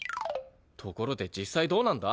ところで実際どうなんだ？